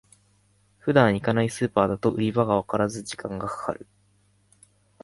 普段行かないスーパーだと売り場がわからず時間がかかる